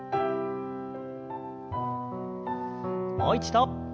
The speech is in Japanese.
もう一度。